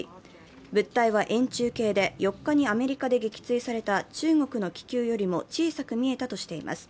物体は円柱形で４日にアメリカで撃墜された中国の気球よりも小さく見えたとしています。